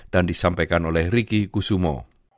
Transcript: dan disampaikan oleh riki kusumo